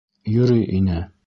Йөрөй ине.